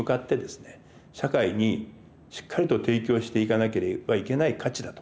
社会にしっかりと提供していかなければいけない価値だと。